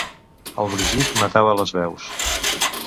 El brogit matava les veus.